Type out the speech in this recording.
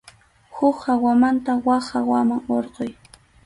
Huk hawamanta wak hawaman hurquy.